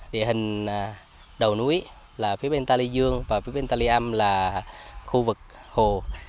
địa hình đầu núi là phía bên tà lê dương và phía bên tà lê âm là khu vực hồ